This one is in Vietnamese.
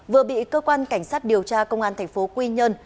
vừa bị cơ quan cảnh sát điều tra công an thành phố quy nhơn